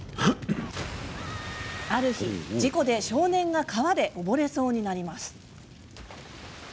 ある日、事故で少年が川で溺れそうになります。